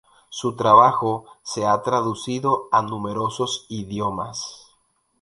Su trabajo se ha traducido a numerosos idiomas.